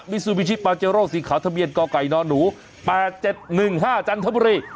ซูบิชิปาเจโร่สีขาวทะเบียนกไก่นหนู๘๗๑๕จันทบุรี